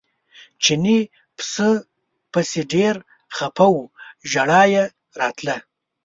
چیني پسه پسې ډېر خپه و ژړا یې راتله.